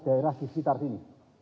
daerah di sekitar sini